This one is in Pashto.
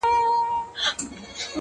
اوس پر ما لري;